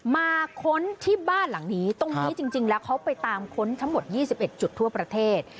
ค้นที่บ้านหลังนี้ตรงนี้จริงแล้วเขาไปตามค้นทั้งหมด๒๑จุดทั่วประเทศ